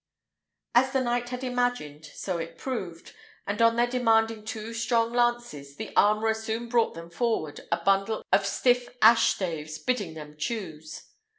As the knight had imagined, so it proved, and on their demanding two strong lances, the armourer soon brought them forward a bundle of stiff ash staves, bidding them choose.